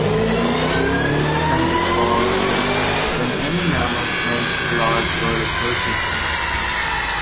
This defensive call occurs when any mammal, snake, or large bird approaches them.